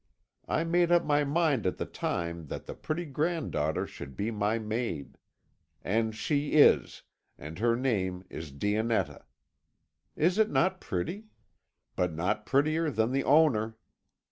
I made up my mind at the time that the pretty granddaughter should be my maid. And she is, and her name is Dionetta. Is it not pretty? but not prettier than the owner.